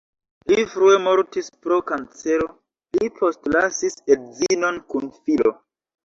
Li frue mortis pro kancero, li postlasis edzinon kun filo.